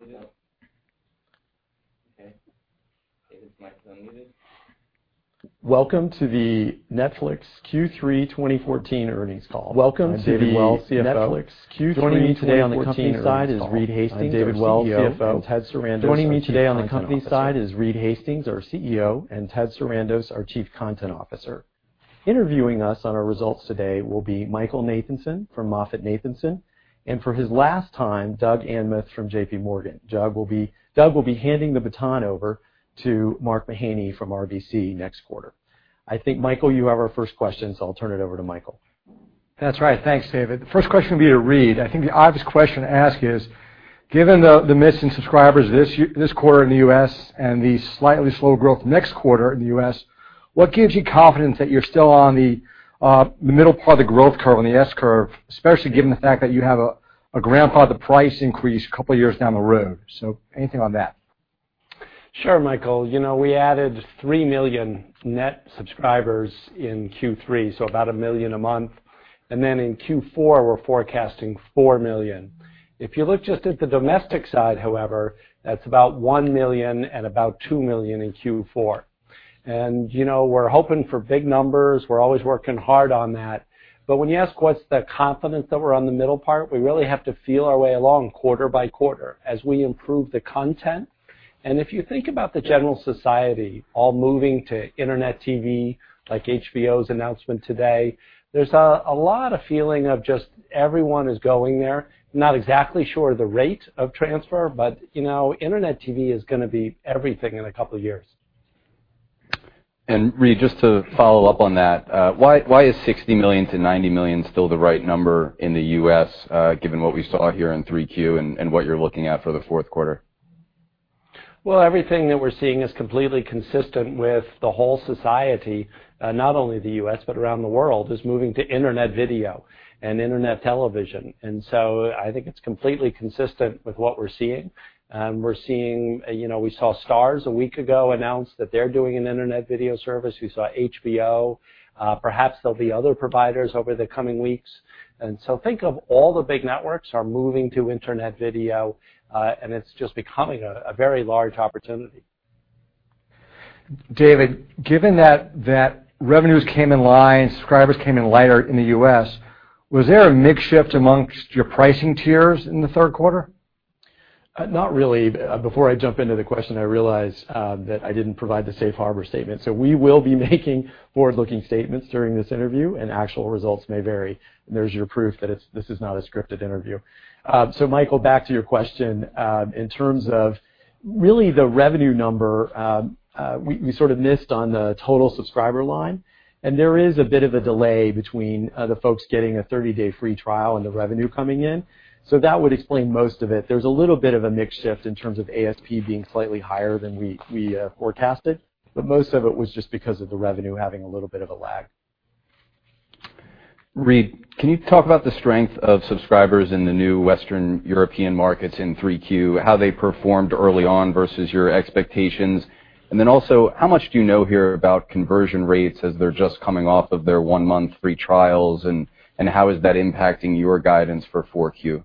Okay. David's mic is unmuted. Welcome to the Netflix Q3 2014 earnings call. I'm David Wells, CFO. Joining me today on the company side is Reed Hastings, our CEO, and Ted Sarandos, our Chief Content Officer. Interviewing us on our results today will be Michael Nathanson from MoffettNathanson, and for his last time, Doug Anmuth from J.P. Morgan. Doug will be handing the baton over to Mark Mahaney from RBC next quarter. I think Michael, you have our first question, I'll turn it over to Michael. That's right. Thanks, David. The first question will be to Reed. I think the obvious question to ask is, given the miss in subscribers this quarter in the U.S. and the slightly slow growth next quarter in the U.S., what gives you confidence that you're still on the middle part of the growth curve on the S curve, especially given the fact that you have a grandfathered price increase a couple of years down the road? Anything on that? Sure, Michael. We added 3 million net subscribers in Q3, about 1 million a month, in Q4, we're forecasting 4 million. If you look just at the domestic side, however, that's about 1 million and about 2 million in Q4. We're hoping for big numbers. We're always working hard on that. When you ask what's the confidence that we're on the middle part, we really have to feel our way along quarter by quarter as we improve the content. If you think about the general society all moving to internet TV, like HBO's announcement today, there's a lot of feeling of just everyone is going there. Not exactly sure the rate of transfer, but internet TV is going to be everything in a couple of years. Reed, just to follow up on that, why is $60 million-$90 million still the right number in the U.S., given what we saw here in 3Q and what you're looking at for the fourth quarter? Well, everything that we're seeing is completely consistent with the whole society, not only the U.S., but around the world, is moving to internet video and internet television. I think it's completely consistent with what we're seeing. We saw Starz a week ago announce that they're doing an internet video service. We saw HBO. Perhaps there'll be other providers over the coming weeks. Think of all the big networks are moving to internet video, and it's just becoming a very large opportunity. David, given that revenues came in line, subscribers came in lighter in the U.S., was there a mix shift amongst your pricing tiers in the third quarter? Not really. Before I jump into the question, I realize that I didn't provide the safe harbor statement. We will be making forward-looking statements during this interview and actual results may vary. There's your proof that this is not a scripted interview. Michael, back to your question. In terms of really the revenue number, we sort of missed on the total subscriber line, and there is a bit of a delay between the folks getting a 30-day free trial and the revenue coming in. That would explain most of it. There's a little bit of a mix shift in terms of ASP being slightly higher than we forecasted, but most of it was just because of the revenue having a little bit of a lag. Reed, can you talk about the strength of subscribers in the new Western European markets in 3Q, how they performed early on versus your expectations? Also, how much do you know here about conversion rates as they're just coming off of their one-month free trials, and how is that impacting your guidance for 4Q?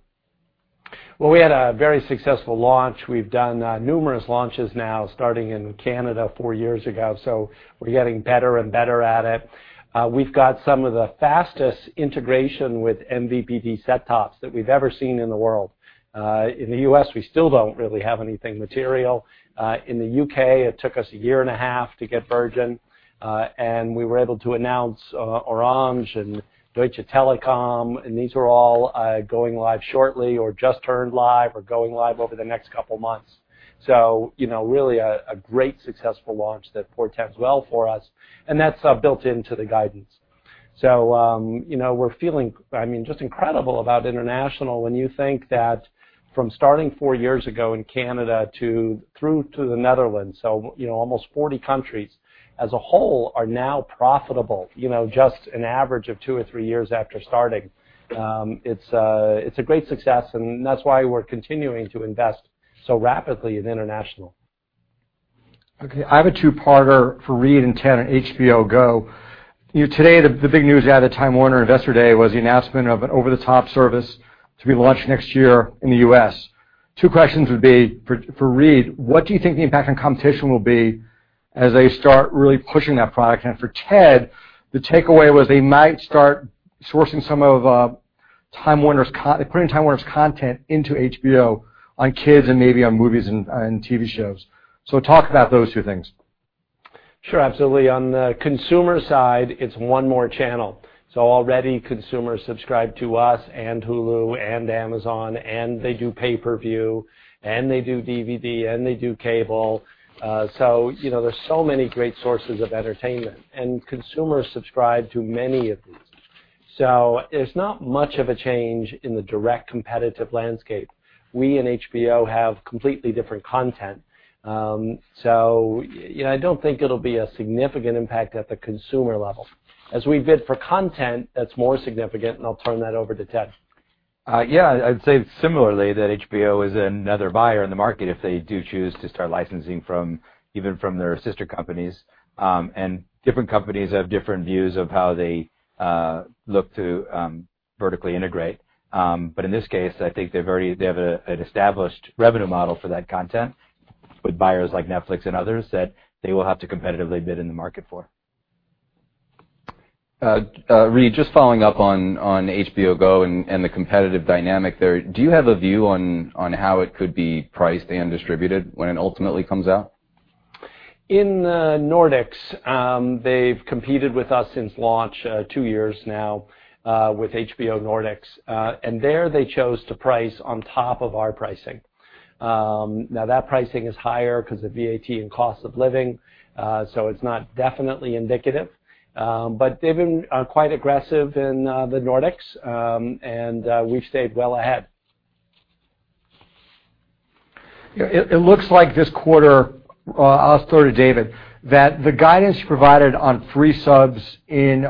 Well, we had a very successful launch. We've done numerous launches now, starting in Canada four years ago, so we're getting better and better at it. We've got some of the fastest integration with MVPD set tops that we've ever seen in the world. In the U.S., we still don't really have anything material. In the U.K., it took us a year and a half to get Virgin. We were able to announce Orange and Deutsche Telekom, and these are all going live shortly or just turned live or going live over the next couple of months. Really a great successful launch that portends well for us, and that's built into the guidance. We're feeling just incredible about international when you think that from starting four years ago in Canada through to the Netherlands, almost 40 countries as a whole are now profitable, just an average of two or three years after starting. It's a great success, that's why we're continuing to invest so rapidly in international. Okay, I have a two-parter for Reed and Ted on HBO Go. Today, the big news out of Time Warner Investor Day was the announcement of an over-the-top service to be launched next year in the U.S. Two questions would be for Reed: What do you think the impact on competition will be as they start really pushing that product? For Ted, the takeaway was they might start putting Time Warner's content into HBO on kids and maybe on movies and TV shows. Talk about those two things. Sure, absolutely. On the consumer side, it's one more channel. Already consumers subscribe to us and Hulu and Amazon, and they do pay-per-view, and they do DVD, and they do cable. There's so many great sources of entertainment, and consumers subscribe to many of these. It's not much of a change in the direct competitive landscape. We and HBO have completely different content. I don't think it'll be a significant impact at the consumer level. As we bid for content, that's more significant, and I'll turn that over to Ted. Yeah, I'd say similarly that HBO is another buyer in the market if they do choose to start licensing even from their sister companies. Different companies have different views of how they look to vertically integrate. In this case, I think they have an established revenue model for that content With buyers like Netflix and others that they will have to competitively bid in the market for. Reed, just following up on HBO Go and the competitive dynamic there, do you have a view on how it could be priced and distributed when it ultimately comes out? In the Nordics, they've competed with us since launch, two years now with HBO Nordic. There they chose to price on top of our pricing. That pricing is higher because of VAT and cost of living, so it's not definitely indicative. They've been quite aggressive in the Nordics, and we've stayed well ahead. It looks like this quarter, I'll just throw to David, that the guidance provided on free subs in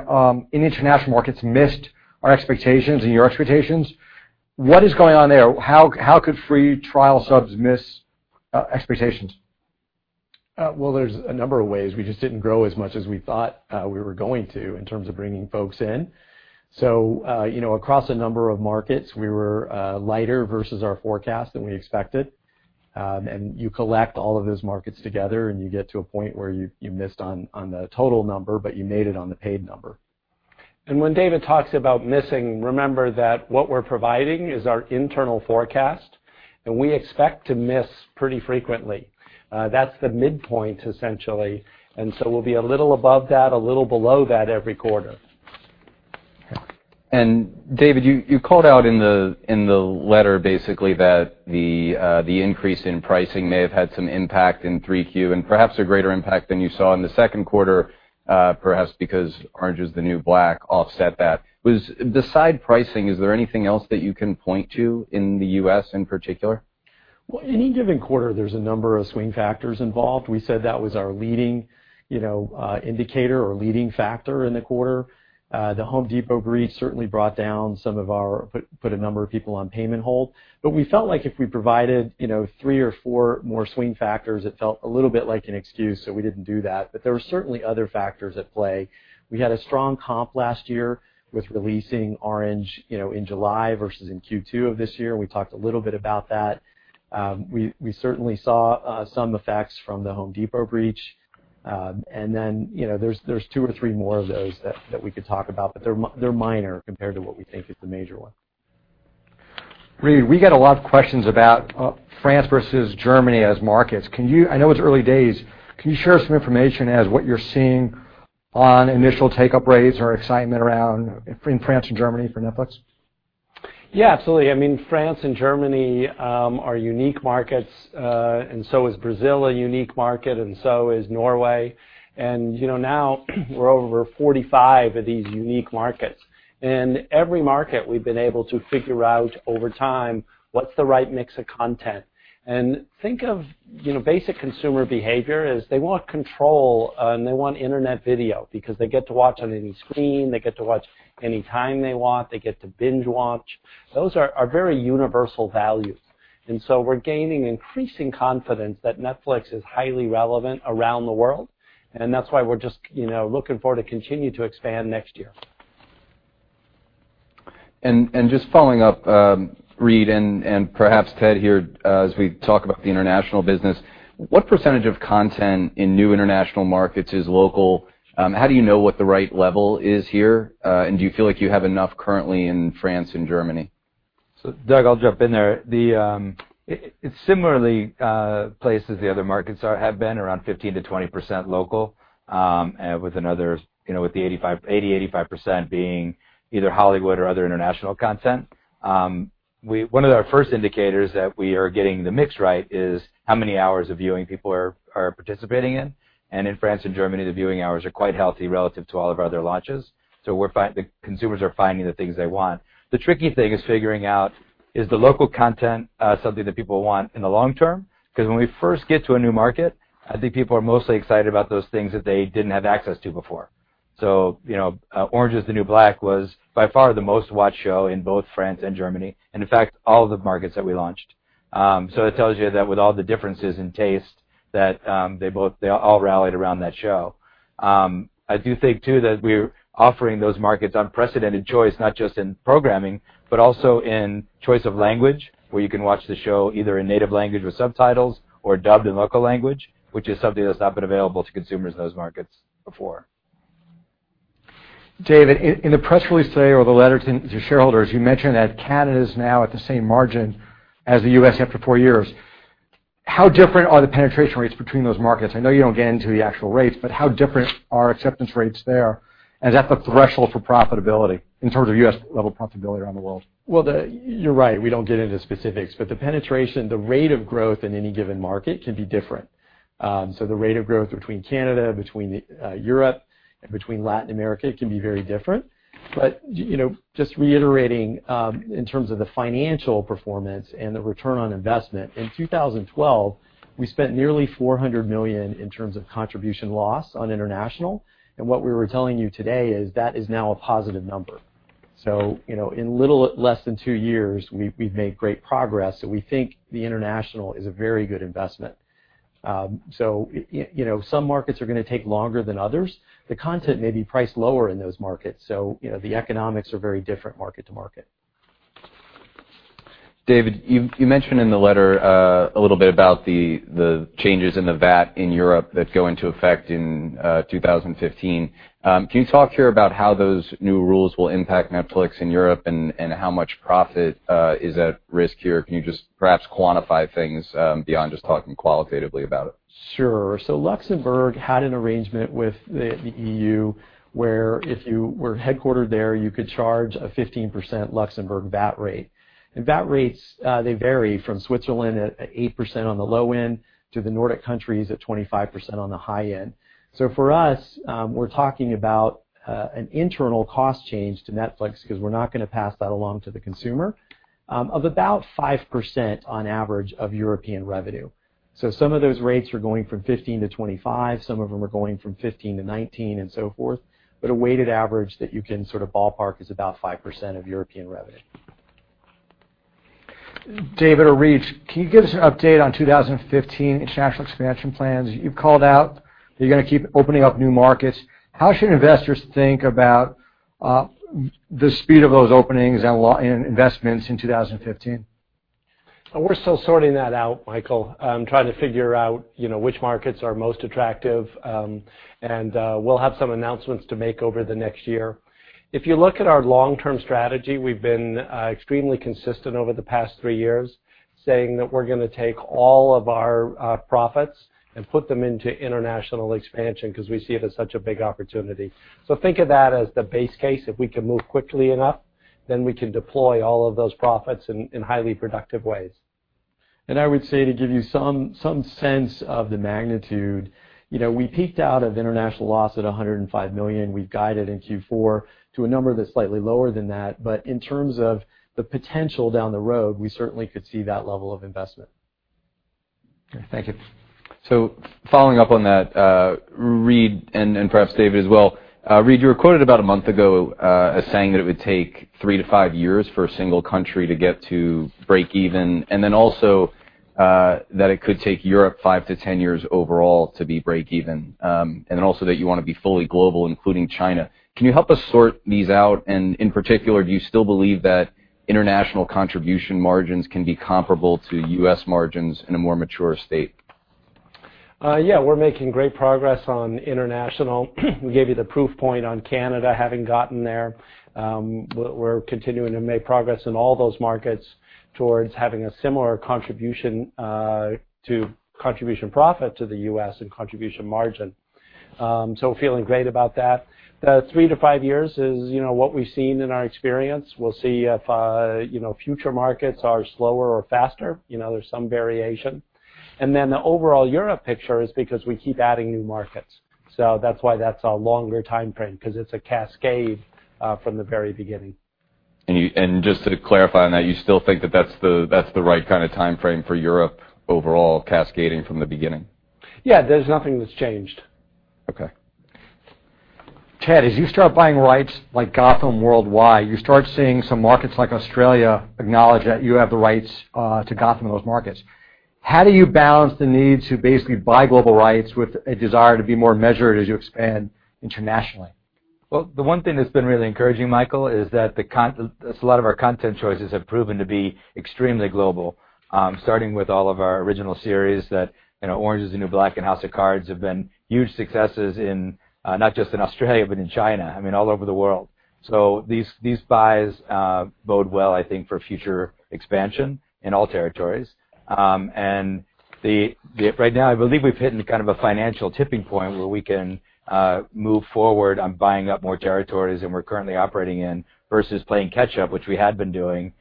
international markets missed our expectations and your expectations. What is going on there? How could free trial subs miss expectations? Well, there's a number of ways. We just didn't grow as much as we thought we were going to in terms of bringing folks in. Across a number of markets, we were lighter versus our forecast than we expected. You collect all of those markets together and you get to a point where you missed on the total number, but you made it on the paid number. When David talks about missing, remember that what we're providing is our internal forecast, and we expect to miss pretty frequently. That's the midpoint, essentially. We'll be a little above that, a little below that every quarter. David, you called out in the letter basically that the increase in pricing may have had some impact in 3Q and perhaps a greater impact than you saw in the second quarter perhaps because "Orange Is the New Black" offset that. Was the said pricing? Is there anything else that you can point to in the U.S. in particular? Any given quarter, there's a number of swing factors involved. We said that was our leading indicator or leading factor in the quarter. The Home Depot breach certainly put a number of people on payment hold. We felt like if we provided three or four more swing factors, it felt a little bit like an excuse, so we didn't do that. There were certainly other factors at play. We had a strong comp last year with releasing "Orange" in July versus in Q2 of this year. We talked a little bit about that. We certainly saw some effects from The Home Depot breach. Then, there's two or three more of those that we could talk about, but they're minor compared to what we think is the major one. Reed, we get a lot of questions about France versus Germany as markets. I know it's early days, can you share some information as what you're seeing on initial take-up rates or excitement around in France and Germany for Netflix? Absolutely. France and Germany are unique markets, so is Brazil a unique market, so is Norway. Now we're over 45 of these unique markets. In every market, we've been able to figure out over time what's the right mix of content. Think of basic consumer behavior is they want control and they want internet video because they get to watch on any screen. They get to watch any time they want. They get to binge-watch. Those are very universal values. So we're gaining increasing confidence that Netflix is highly relevant around the world, that's why we're just looking forward to continue to expand next year. Following up, Reed, and perhaps Ted here as we talk about the international business, what percentage of content in new international markets is local? How do you know what the right level is here? Do you feel like you have enough currently in France and Germany? Doug, I'll jump in there. It's similarly placed as the other markets have been, around 15%-20% local, with the 80%, 85% being either Hollywood or other international content. One of our first indicators that we are getting the mix right is how many hours of viewing people are participating in. In France and Germany, the viewing hours are quite healthy relative to all of our other launches. The consumers are finding the things they want. The tricky thing is figuring out is the local content something that people want in the long term? Because when we first get to a new market, I think people are mostly excited about those things that they didn't have access to before. "Orange Is the New Black" was by far the most-watched show in both France and Germany, and in fact, all of the markets that we launched. It tells you that with all the differences in taste, that they all rallied around that show. I do think too that we're offering those markets unprecedented choice, not just in programming, but also in choice of language, where you can watch the show either in native language with subtitles or dubbed in local language, which is something that's not been available to consumers in those markets before. David, in the press release today or the letter to shareholders, you mentioned that Canada's now at the same margin as the U.S. after 4 years. How different are the penetration rates between those markets? I know you don't get into the actual rates, but how different are acceptance rates there? Is that the threshold for profitability in terms of U.S. level profitability around the world? Well, you're right, we don't get into specifics, but the penetration, the rate of growth in any given market can be different. The rate of growth between Canada, between Europe, and between Latin America can be very different. Just reiterating, in terms of the financial performance and the return on investment, in 2012, we spent nearly $400 million in terms of contribution loss on international. What we were telling you today is that is now a positive number. In little less than 2 years, we've made great progress, and we think the international is a very good investment. Some markets are going to take longer than others. The content may be priced lower in those markets, so the economics are very different market to market. David, you mentioned in the letter a little bit about the changes in the VAT in Europe that go into effect in 2015. Can you talk here about how those new rules will impact Netflix in Europe and how much profit is at risk here? Can you just perhaps quantify things beyond just talking qualitatively about it? Sure. Luxembourg had an arrangement with the EU where if you were headquartered there, you could charge a 15% Luxembourg VAT rate. VAT rates, they vary from Switzerland at 8% on the low end to the Nordic countries at 25% on the high end. For us, we're talking about an internal cost change to Netflix, because we're not going to pass that along to the consumer, of about 5% on average of European revenue. Some of those rates are going from 15 to 25, some of them are going from 15 to 19 and so forth. A weighted average that you can sort of ballpark is about 5% of European revenue. David or Reed, can you give us an update on 2015 international expansion plans? You've called out that you're going to keep opening up new markets. How should investors think about the speed of those openings and investments in 2015? We're still sorting that out, Michael. Trying to figure out which markets are most attractive. We'll have some announcements to make over the next year. If you look at our long-term strategy, we've been extremely consistent over the past three years, saying that we're going to take all of our profits and put them into international expansion because we see it as such a big opportunity. Think of that as the base case. If we can move quickly enough, then we can deploy all of those profits in highly productive ways. I would say to give you some sense of the magnitude. We peaked out of international loss at $105 million. We've guided in Q4 to a number that's slightly lower than that. In terms of the potential down the road, we certainly could see that level of investment. Okay. Thank you. Following up on that, Reed, and perhaps David as well. Reed, you were quoted about a month ago as saying that it would take three to five years for a single country to get to break even, then also that it could take Europe five to 10 years overall to be break even. Then also that you want to be fully global, including China. Can you help us sort these out, and in particular, do you still believe that international contribution margins can be comparable to U.S. margins in a more mature state? We're making great progress on international. We gave you the proof point on Canada having gotten there. We're continuing to make progress in all those markets towards having a similar contribution profit to the U.S. in contribution margin. Feeling great about that. The three to five years is what we've seen in our experience. We'll see if future markets are slower or faster. There's some variation. Then the overall Europe picture is because we keep adding new markets. That's why that's a longer timeframe, because it's a cascade from the very beginning. Just to clarify on that, you still think that that's the right kind of timeframe for Europe overall cascading from the beginning? Yeah. There's nothing that's changed. Okay. Ted, as you start buying rights like "Gotham" worldwide, you start seeing some markets like Australia acknowledge that you have the rights to "Gotham" in those markets. How do you balance the need to basically buy global rights with a desire to be more measured as you expand internationally? Well, the one thing that's been really encouraging, Michael, is that a lot of our content choices have proven to be extremely global, starting with all of our original series that "Orange Is the New Black" and "House of Cards" have been huge successes in not just in Australia, but in China. I mean, all over the world. These buys bode well, I think for future expansion in all territories. Right now, I believe we've hit kind of a financial tipping point where we can move forward on buying up more territories than we're currently operating in versus playing catch-up, which we had been doing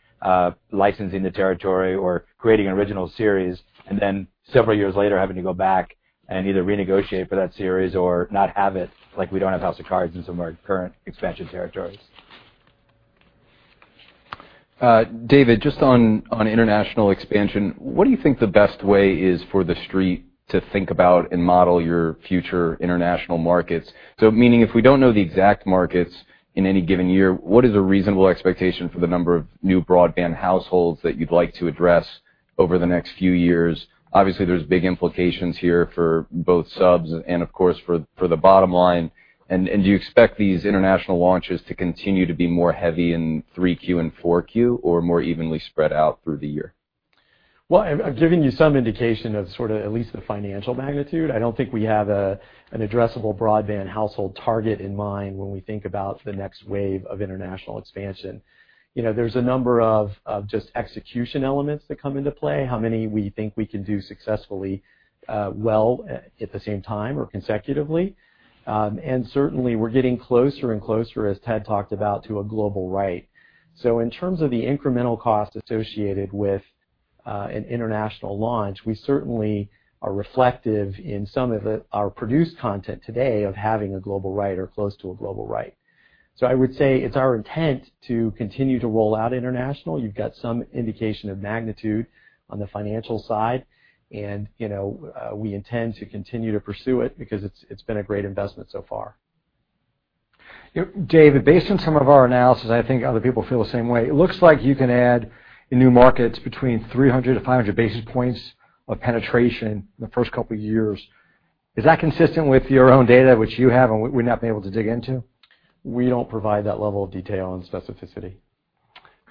licensing the territory or creating original series and then several years later, having to go back and either renegotiate for that series or not have it, like we don't have "House of Cards" in some of our current expansion territories. David, just on international expansion, what do you think the best way is for The Street to think about and model your future international markets? Meaning, if we don't know the exact markets in any given year, what is a reasonable expectation for the number of new broadband households that you'd like to address over the next few years? Obviously, there's big implications here for both subs and of course for the bottom line. Do you expect these international launches to continue to be more heavy in Q3 and Q4 or more evenly spread out through the year? I've given you some indication of sort of at least the financial magnitude. I don't think we have an addressable broadband household target in mind when we think about the next wave of international expansion. There's a number of just execution elements that come into play, how many we think we can do successfully well at the same time or consecutively. Certainly, we're getting closer and closer, as Ted talked about, to a global right. In terms of the incremental cost associated with an international launch, we certainly are reflective in some of our produced content today of having a global right or close to a global right. I would say it's our intent to continue to roll out international. You've got some indication of magnitude on the financial side, and we intend to continue to pursue it because it's been a great investment so far. David, based on some of our analysis, I think other people feel the same way. It looks like you can add new markets between 300 to 500 basis points of penetration in the first couple of years. Is that consistent with your own data which you have and we've not been able to dig into? We don't provide that level of detail and specificity.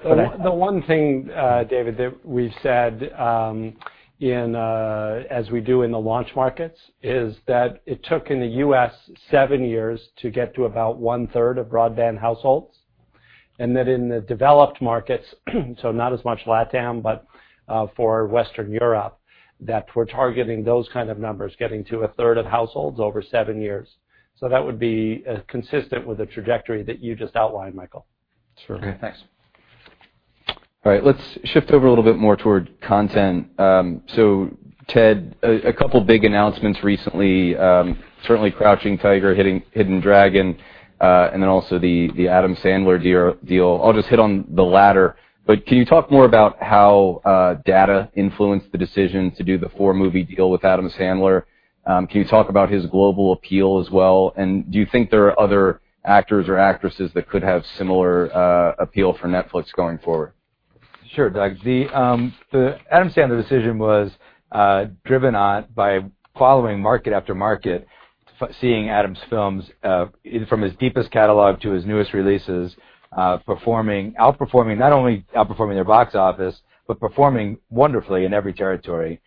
The one thing, David, that we've said as we do in the launch markets, is that it took, in the U.S., seven years to get to about one-third of broadband households, and that in the developed markets, not as much LatAm, but for Western Europe, that we're targeting those kind of numbers, getting to a third of households over seven years. That would be consistent with the trajectory that you just outlined, Michael. Sure. Okay, thanks. All right. Let's shift over a little bit more toward content. Ted, a couple of big announcements recently, certainly "Crouching Tiger, Hidden Dragon," and then also the Adam Sandler deal. I'll just hit on the latter. Can you talk more about how data influenced the decision to do the four-movie deal with Adam Sandler? Can you talk about his global appeal as well? Do you think there are other actors or actresses that could have similar appeal for Netflix going forward? Sure, Doug. The Adam Sandler decision was driven by following market after market, seeing Adam's films from his deepest catalog to his newest releases outperforming, not only outperforming their box office, but performing wonderfully in every territory,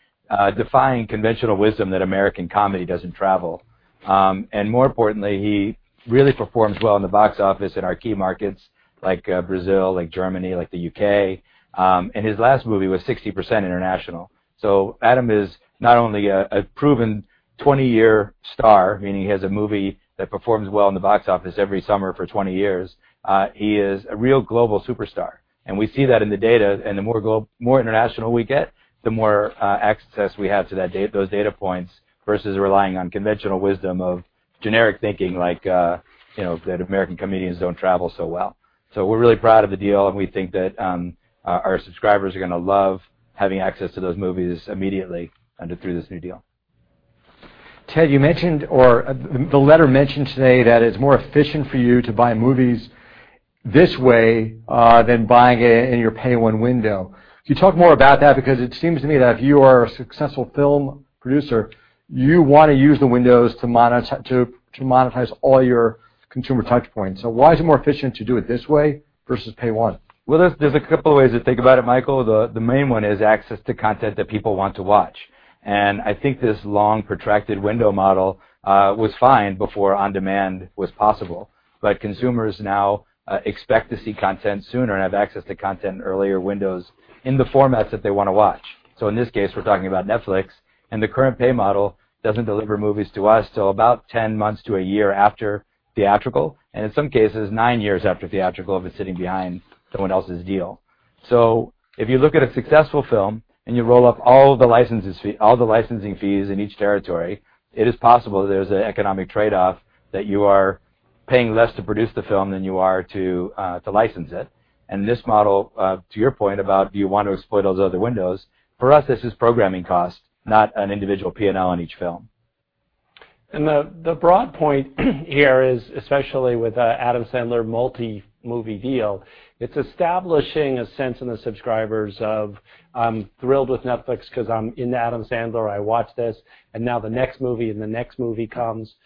defying conventional wisdom that American comedy doesn't travel. More importantly, he really performs well in the box office in our key markets like Brazil, like Germany, like the U.K. His last movie was 60% international. Adam is not only a proven 20-year star, meaning he has a movie that performs well in the box office every summer for 20 years, he is a real global superstar. We see that in the data, and the more international we get, the more access we have to those data points versus relying on conventional wisdom of generic thinking like that American comedians don't travel so well. We're really proud of the deal, and we think that our subscribers are going to love having access to those movies immediately through this new deal. Ted, you mentioned, or the letter mentioned today that it's more efficient for you to buy movies this way than buying it in your pay one window. Can you talk more about that? It seems to me that if you are a successful film producer, you want to use the windows to monetize all your consumer touch points. Why is it more efficient to do it this way versus pay one? Well, there's a couple of ways to think about it, Michael. The main one is access to content that people want to watch. I think this long, protracted window model was fine before on-demand was possible. Consumers now expect to see content sooner and have access to content in earlier windows in the formats that they want to watch. In this case, we're talking about Netflix, and the current pay model doesn't deliver movies to us till about 10 months to a year after theatrical, and in some cases, nine years after theatrical if it's sitting behind someone else's deal. If you look at a successful film and you roll up all the licensing fees in each territory, it is possible there's an economic trade-off that you are paying less to produce the film than you are to license it. This model, to your point about you want to exploit those other windows, for us, this is programming cost, not an individual P&L on each film. The broad point here is, especially with the Adam Sandler multi-movie deal, it's establishing a sense in the subscribers of, "I'm thrilled with Netflix because I'm into Adam Sandler. I watch this, and now the next movie and the next movie comes."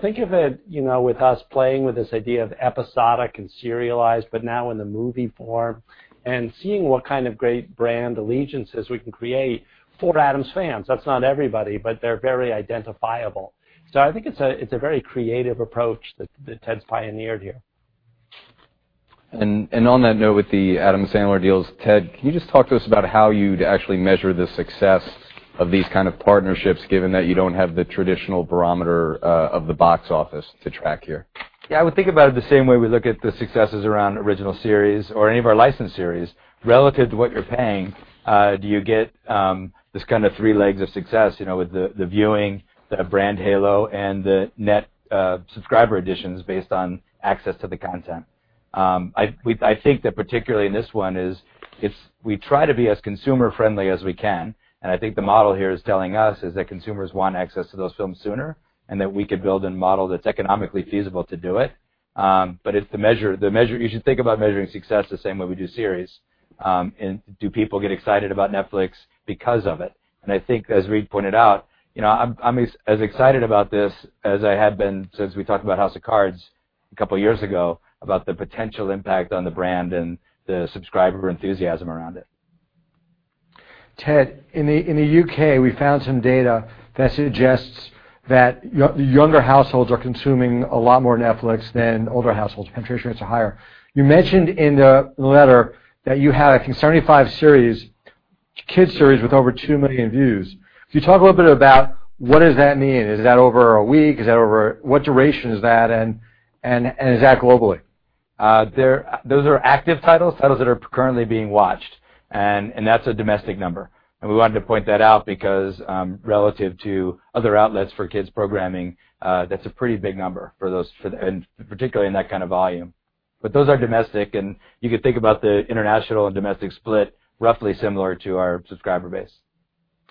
Think of it, with us playing with this idea of episodic and serialized, but now in the movie form and seeing what kind of great brand allegiances we can create for Adam's fans. That's not everybody, but they're very identifiable. I think it's a very creative approach that Ted's pioneered here. On that note with the Adam Sandler deals, Ted, can you just talk to us about how you'd actually measure the success of these kind of partnerships given that you don't have the traditional barometer of the box office to track here? Yeah, I would think about it the same way we look at the successes around original series or any of our licensed series. Relative to what you're paying, do you get this kind of three legs of success, with the viewing, the brand halo, and the net subscriber additions based on access to the content? I think that particularly in this one is we try to be as consumer-friendly as we can, and I think the model here is telling us is that consumers want access to those films sooner and that we could build a model that's economically feasible to do it. You should think about measuring success the same way we do series, and do people get excited about Netflix because of it? I think as Reed pointed out, I'm as excited about this as I have been since we talked about "House of Cards" a couple of years ago about the potential impact on the brand and the subscriber enthusiasm around it. Ted, in the U.K., we found some data that suggests that younger households are consuming a lot more Netflix than older households. Penetration rates are higher. You mentioned in the letter that you had a concerning five series, kids series with over 2 million views. Can you talk a little bit about what does that mean? Is that over a week? What duration is that, and is that globally? Those are active titles that are currently being watched, that's a domestic number. We wanted to point that out because, relative to other outlets for kids programming, that's a pretty big number, and particularly in that kind of volume. Those are domestic, and you could think about the international and domestic split roughly similar to our subscriber base.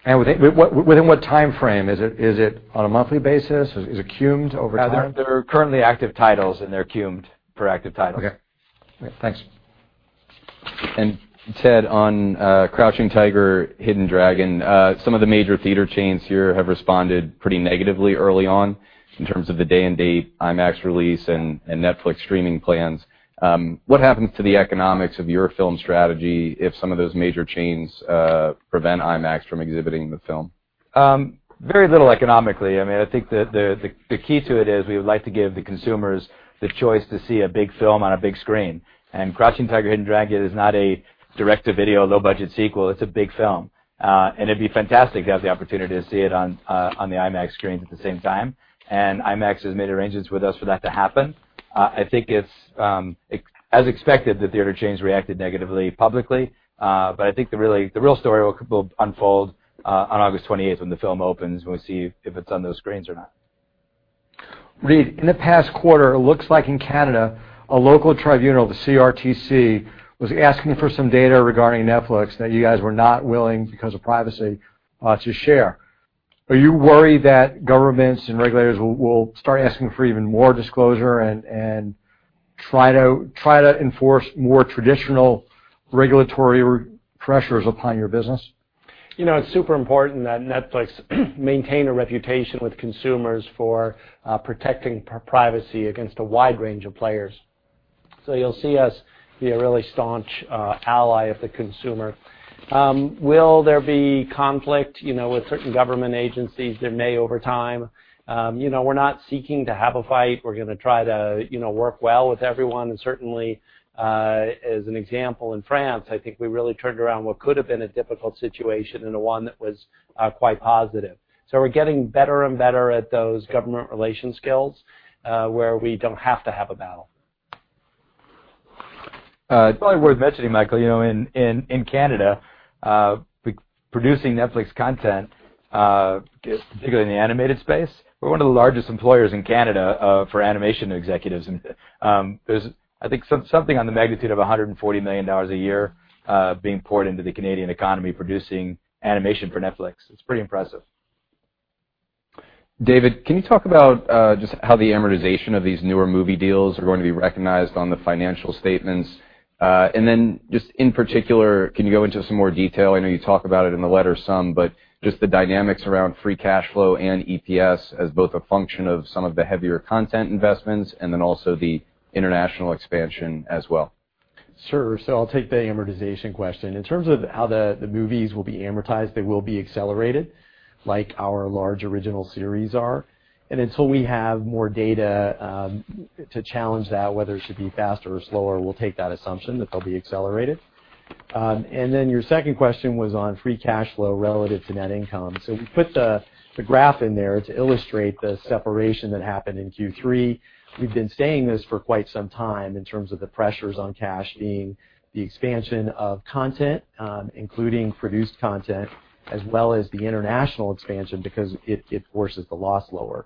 Within what time frame? Is it on a monthly basis? Is it cumed over time? They're currently active titles and they're cumed for active titles. Okay. All right, thanks. Ted, on Crouching Tiger, Hidden Dragon, some of the major theater chains here have responded pretty negatively early on in terms of the day and date IMAX release and Netflix streaming plans. What happens to the economics of your film strategy if some of those major chains prevent IMAX from exhibiting the film? Very little economically. I think the key to it is we would like to give the consumers the choice to see a big film on a big screen. Crouching Tiger, Hidden Dragon is not a direct-to-video, low-budget sequel. It's a big film. It'd be fantastic to have the opportunity to see it on the IMAX screens at the same time, and IMAX has made arrangements with us for that to happen. I think it's as expected, the theater chains reacted negatively publicly. I think the real story will unfold on August 28th when the film opens, and we see if it's on those screens or not. Reed, in the past quarter, it looks like in Canada, a local tribunal, the CRTC, was asking for some data regarding Netflix that you guys were not willing, because of privacy, to share. Are you worried that governments and regulators will start asking for even more disclosure and try to enforce more traditional regulatory pressures upon your business? It's super important that Netflix maintain a reputation with consumers for protecting privacy against a wide range of players. You'll see us be a really staunch ally of the consumer. Will there be conflict with certain government agencies? There may over time. We're not seeking to have a fight. We're going to try to work well with everyone, and certainly as an example, in France, I think we really turned around what could have been a difficult situation into one that was quite positive. We're getting better and better at those government relations skills where we don't have to have a battle. It's probably worth mentioning, Michael, in Canada producing Netflix content, particularly in the animated space, we're one of the largest employers in Canada for animation executives. There's, I think, something on the magnitude of $140 million a year being poured into the Canadian economy, producing animation for Netflix. It's pretty impressive. David, can you talk about just how the amortization of these newer movie deals are going to be recognized on the financial statements? Then just in particular, can you go into some more detail? I know you talk about it in the letter some, but just the dynamics around free cash flow and EPS as both a function of some of the heavier content investments and then also the international expansion as well. Sure. I'll take the amortization question. In terms of how the movies will be amortized, they will be accelerated, like our large original series are. Until we have more data to challenge that, whether it should be faster or slower, we'll take that assumption that they'll be accelerated. Then your second question was on free cash flow relative to net income. We put the graph in there to illustrate the separation that happened in Q3. We've been saying this for quite some time in terms of the pressures on cash being the expansion of content, including produced content, as well as the international expansion, because it forces the loss lower.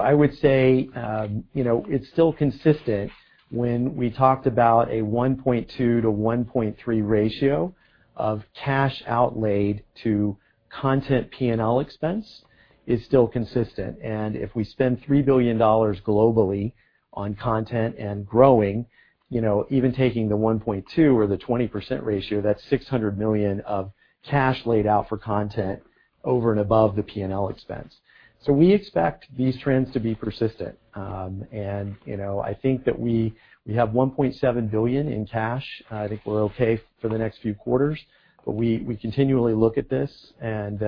I would say, it's still consistent when we talked about a 1.2 to 1.3 ratio of cash outlaid to content P&L expense is still consistent. If we spend $3 billion globally on content and growing, even taking the 1.2 or the 20% ratio, that's $600 million of cash laid out for content over and above the P&L expense. We expect these trends to be persistent. I think that we have $1.7 billion in cash. I think we're okay for the next few quarters, but we continually look at this and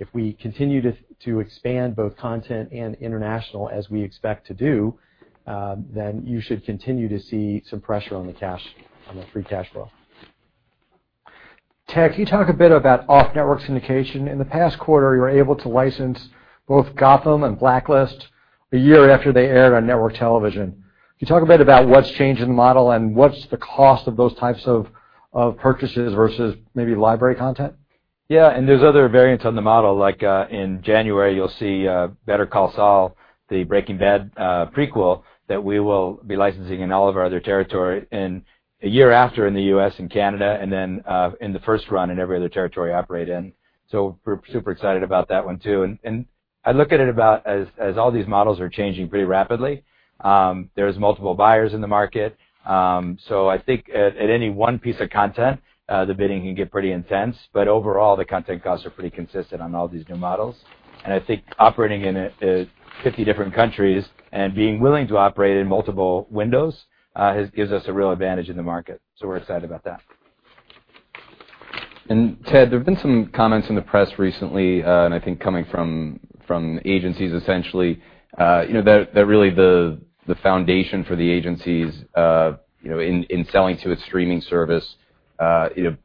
if we continue to expand both content and international as we expect to do, then you should continue to see some pressure on the free cash flow. Ted, can you talk a bit about off-network syndication? In the past quarter, you were able to license both "Gotham" and "Blacklist" a year after they aired on network television. Can you talk a bit about what's changed in the model, and what's the cost of those types of purchases versus maybe library content? There's other variants on the model. Like in January, you'll see "Better Call Saul," the "Breaking Bad" prequel, that we will be licensing in all of our other territory, and a year after in the U.S. and Canada, and then in the first run in every other territory operate in. We're super excited about that one, too. I look at it about as all these models are changing pretty rapidly, there's multiple buyers in the market. I think at any one piece of content, the bidding can get pretty intense, but overall, the content costs are pretty consistent on all these new models. I think operating in 50 different countries and being willing to operate in multiple windows gives us a real advantage in the market. We're excited about that. Ted, there have been some comments in the press recently, and I think coming from agencies essentially, that really the foundation for the agencies in selling to a streaming service,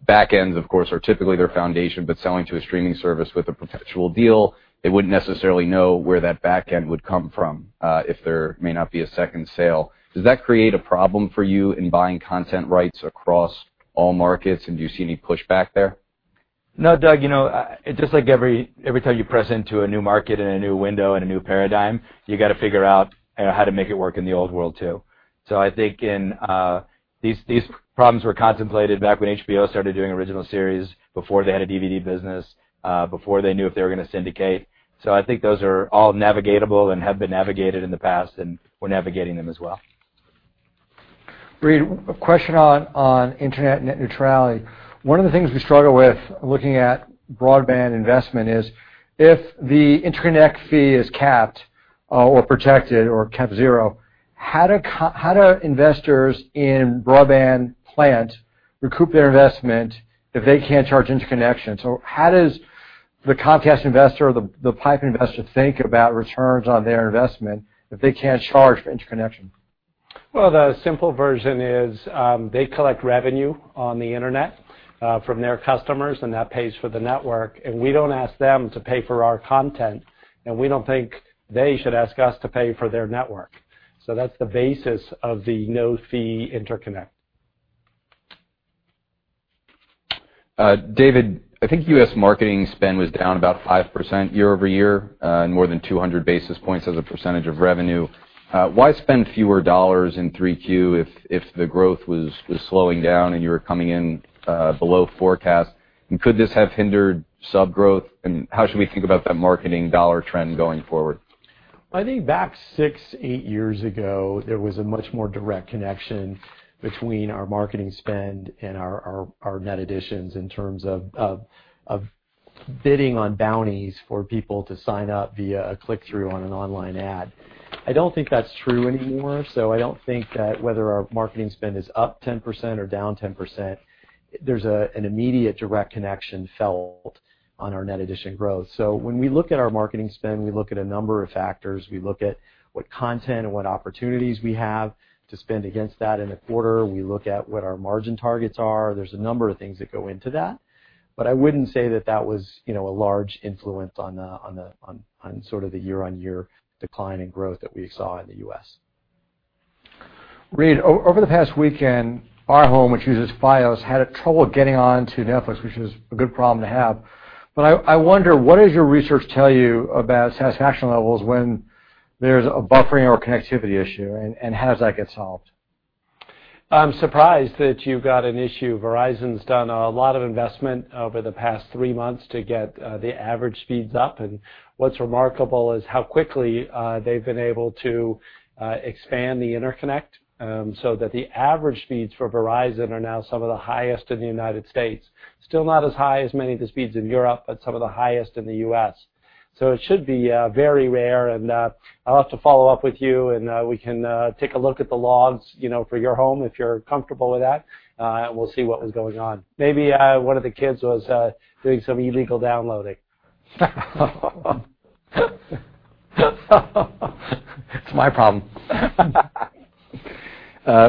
back ends, of course, are typically their foundation, but selling to a streaming service with a perpetual deal, they wouldn't necessarily know where that back end would come from if there may not be a second sale. Does that create a problem for you in buying content rights across all markets, and do you see any pushback there? No, Doug. Just like every time you press into a new market and a new window and a new paradigm, you got to figure out how to make it work in the old world, too. I think these problems were contemplated back when HBO started doing original series before they had a DVD business, before they knew if they were going to syndicate. I think those are all navigatable and have been navigated in the past, and we're navigating them as well. Reed, a question on internet net neutrality. One of the things we struggle with looking at broadband investment is if the interconnect fee is capped or protected or capped zero, how do investors in broadband plant recoup their investment if they can't charge interconnection? How does the Comcast investor or the pipe investor think about returns on their investment if they can't charge for interconnection? Well, the simple version is, they collect revenue on the internet from their customers, that pays for the network, we don't ask them to pay for our content, and we don't think they should ask us to pay for their network. That's the basis of the no-fee interconnect. David, I think U.S. marketing spend was down about 5% year-over-year, more than 200 basis points as a percentage of revenue. Why spend fewer dollars in Q3 if the growth was slowing down and you were coming in below forecast? Could this have hindered sub growth? How should we think about that marketing dollar trend going forward? I think back six, eight years ago, there was a much more direct connection between our marketing spend and our net additions in terms of bidding on bounties for people to sign up via a click-through on an online ad. I don't think that's true anymore. I don't think that whether our marketing spend is up 10% or down 10%, there's an immediate direct connection felt on our net addition growth. When we look at our marketing spend, we look at a number of factors. We look at what content and what opportunities we have to spend against that in a quarter. We look at what our margin targets are. There's a number of things that go into that. I wouldn't say that that was a large influence on the year-on-year decline in growth that we saw in the U.S. Reed, over the past weekend, our home, which uses FiOS, had trouble getting onto Netflix, which is a good problem to have. I wonder, what does your research tell you about satisfaction levels when there's a buffering or connectivity issue, and how does that get solved? I'm surprised that you got an issue. Verizon's done a lot of investment over the past three months to get the average speeds up, and what's remarkable is how quickly they've been able to expand the interconnect, so that the average speeds for Verizon are now some of the highest in the United States. Still not as high as many of the speeds in Europe, but some of the highest in the U.S. It should be very rare, and I'll have to follow up with you and we can take a look at the logs for your home if you're comfortable with that, and we'll see what was going on. Maybe one of the kids was doing some illegal downloading. It's my problem.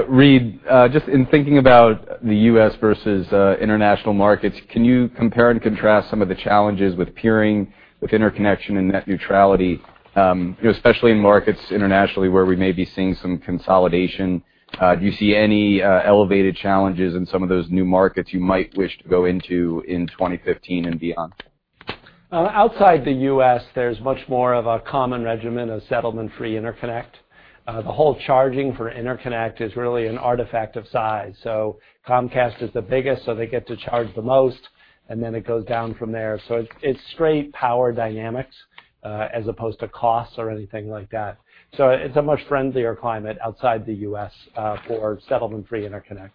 Reed, just in thinking about the U.S. versus international markets, can you compare and contrast some of the challenges with peering, with interconnection and net neutrality, especially in markets internationally where we may be seeing some consolidation? Do you see any elevated challenges in some of those new markets you might wish to go into in 2015 and beyond? Outside the U.S., there's much more of a common regimen of settlement-free interconnect. The whole charging for interconnect is really an artifact of size. Comcast is the biggest, so they get to charge the most, and then it goes down from there. It's straight power dynamics, as opposed to costs or anything like that. It's a much friendlier climate outside the U.S. for settlement-free interconnect.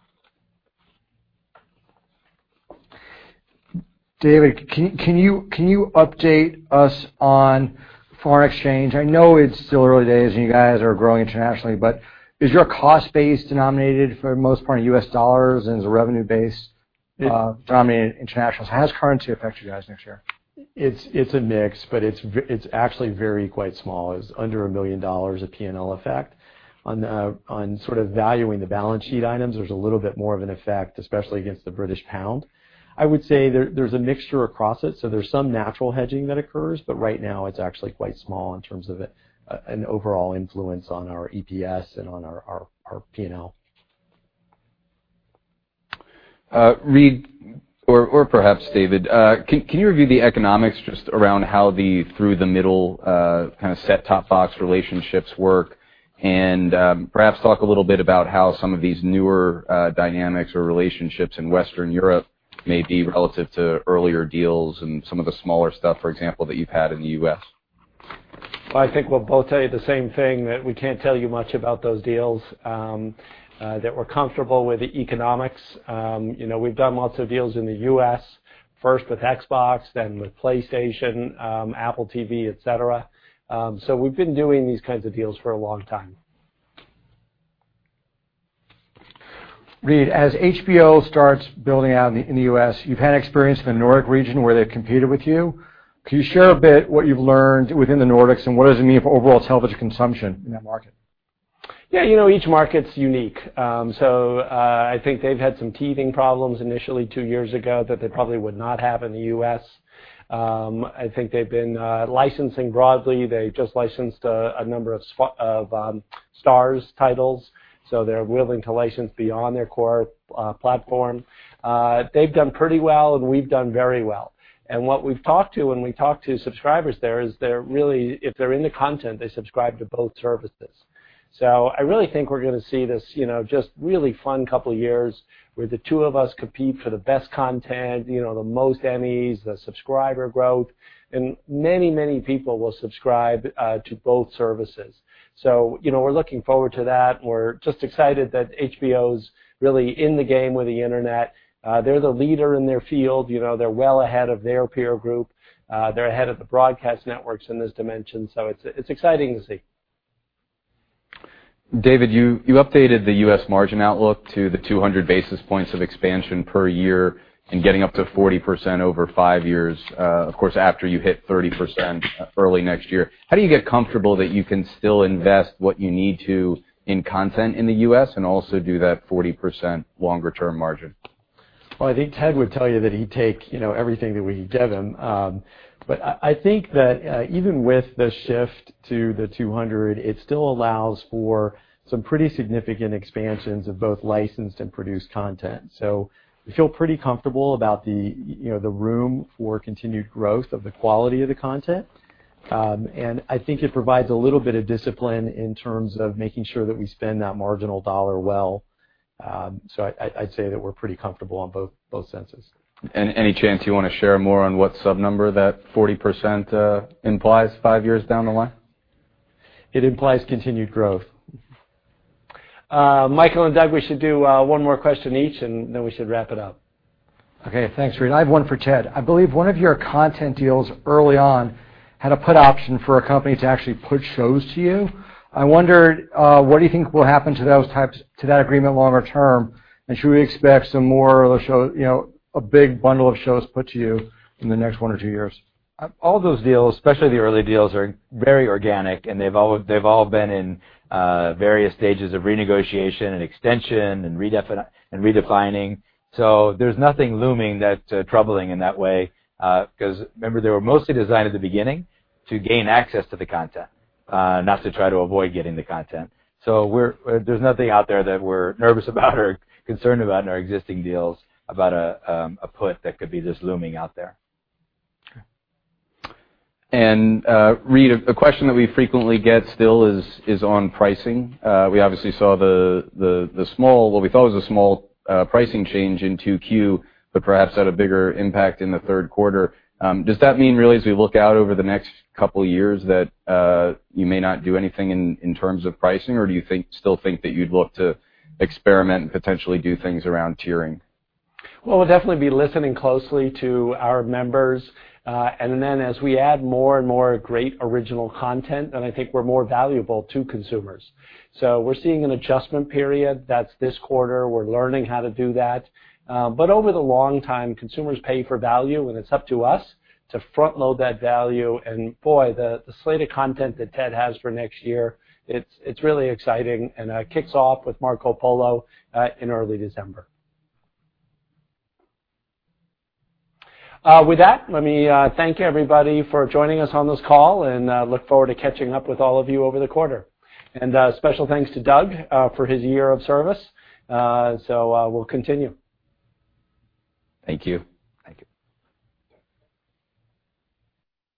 David, can you update us on foreign exchange? I know it's still early days and you guys are growing internationally, but is your cost base denominated for the most part in U.S. dollars, and is the revenue base dominated internationally? How does currency affect you guys next year? It's a mix, but it's actually very quite small. It's under $1 million of P&L effect. On sort of valuing the balance sheet items, there's a little bit more of an effect, especially against the British pound. I would say there's a mixture across it, so there's some natural hedging that occurs, but right now it's actually quite small in terms of an overall influence on our EPS and on our P&L. Reed, or perhaps David, can you review the economics just around how the through the middle kind of set-top box relationships work, and perhaps talk a little bit about how some of these newer dynamics or relationships in Western Europe may be relative to earlier deals and some of the smaller stuff, for example, that you've had in the U.S.? I think we'll both tell you the same thing, that we can't tell you much about those deals, that we're comfortable with the economics. We've done lots of deals in the U.S., first with Xbox, then with PlayStation, Apple TV, et cetera. We've been doing these kinds of deals for a long time. Reed, as HBO starts building out in the U.S., you've had experience in the Nordic region where they've competed with you. Can you share a bit what you've learned within the Nordics, and what does it mean for overall television consumption in that market? Yeah, each market's unique. I think they've had some teething problems initially two years ago that they probably would not have in the U.S. I think they've been licensing broadly. They've just licensed a number of Starz titles, so they're willing to license beyond their core platform. They've done pretty well, and we've done very well. What we've talked to when we talk to subscribers there is if they're into content, they subscribe to both services. I really think we're going to see this just really fun couple of years where the two of us compete for the best content, the most Emmys, the subscriber growth, and many, many people will subscribe to both services. We're looking forward to that. We're just excited that HBO's really in the game with the internet. They're the leader in their field. They're well ahead of their peer group. They're ahead of the broadcast networks in this dimension. It's exciting to see. David, you updated the U.S. margin outlook to the 200 basis points of expansion per year and getting up to 40% over five years, of course, after you hit 30% early next year. How do you get comfortable that you can still invest what you need to in content in the U.S. and also do that 40% longer-term margin? Well, I think Ted would tell you that he'd take everything that we can give him. I think that even with the shift to the 200, it still allows for some pretty significant expansions of both licensed and produced content. We feel pretty comfortable about the room for continued growth of the quality of the content. I think it provides a little bit of discipline in terms of making sure that we spend that marginal dollar well. I'd say that we're pretty comfortable on both senses. Any chance you want to share more on what sub-number that 40% implies five years down the line? It implies continued growth. Michael and Doug, we should do one more question each, and then we should wrap it up. Okay. Thanks, Reed. I have one for Ted. I believe one of your content deals early on had a put option for a company to actually put shows to you. I wondered, what do you think will happen to that agreement longer term, and should we expect some more of a big bundle of shows put to you in the next one or two years? All those deals, especially the early deals, are very organic, and they've all been in various stages of renegotiation and extension and redefining. There's nothing looming that's troubling in that way. Because remember, they were mostly designed at the beginning to gain access to the content, not to try to avoid getting the content. There's nothing out there that we're nervous about or concerned about in our existing deals about a put that could be just looming out there. Reed, a question that we frequently get still is on pricing. We obviously saw what we thought was a small pricing change in 2Q, but perhaps had a bigger impact in the third quarter. Does that mean really as we look out over the next couple of years, that you may not do anything in terms of pricing, or do you still think that you'd look to experiment and potentially do things around tiering? We'll definitely be listening closely to our members. As we add more and more great original content, then I think we're more valuable to consumers. We're seeing an adjustment period. That's this quarter. We're learning how to do that. Over the long time, consumers pay for value, and it's up to us to front-load that value. Boy, the slated content that Ted has for next year, it's really exciting, and it kicks off with "Marco Polo" in early December. With that, let me thank everybody for joining us on this call, and I look forward to catching up with all of you over the quarter. Special thanks to Doug for his year of service. We'll continue. Thank you. Thank you.